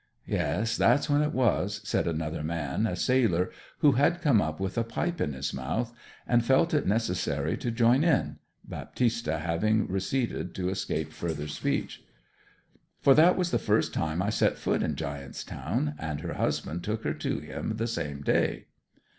'Yes that's when it was,' said another man, a sailor, who had come up with a pipe in his mouth, and felt it necessary to join in (Baptista having receded to escape further speech). 'For that was the first time I set foot in Giant's Town; and her husband took her to him the same day.'